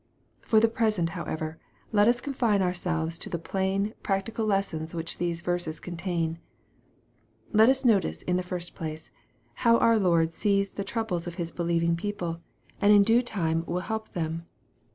For the present, however, let us confine our pelves to the plain, practical lessons which these verscp contain. Let us notice, in the first place, how our Lord sees the troubles ^f His believing f^ple, and in due lime will help MARK, CHAP. VI. 181 them.